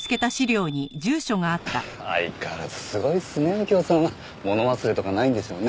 相変わらずすごいっすね右京さんは。物忘れとかないんでしょうね。